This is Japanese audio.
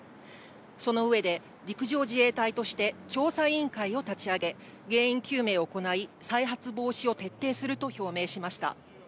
その上で、陸上自衛隊として、調査委員会を立ち上げ、原因究明を行い、再発防止を徹底すると表明しました。